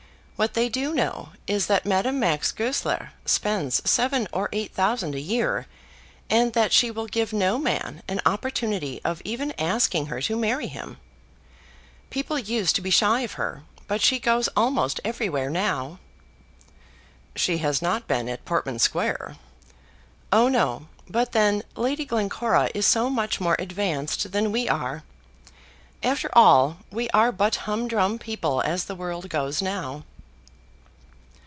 What they do know is that Madame Max Goesler spends seven or eight thousand a year, and that she will give no man an opportunity of even asking her to marry him. People used to be shy of her, but she goes almost everywhere now." "She has not been at Portman Square?" "Oh no; but then Lady Glencora is so much more advanced than we are! After all, we are but humdrum people, as the world goes now."